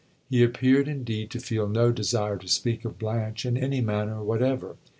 He appeared, indeed, to feel no desire to speak of Blanche in any manner whatever.